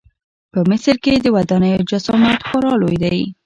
په مصر کې د ودانیو جسامت خورا لوی و.